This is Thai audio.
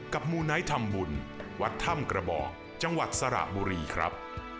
มูไนท์ทำบุญวัดถ้ำกระบอกจังหวัดสระบุรีครับ